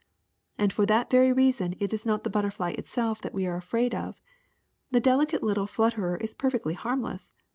^'And for that very reason it is not the butterfly itself that we are afraid of; the delicate little flut terer is perfectly harmless.